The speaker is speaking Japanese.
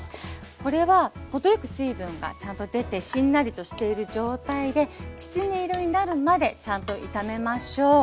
これは程よく水分がちゃんと出てしんなりとしている状態できつね色になるまでちゃんと炒めましょう。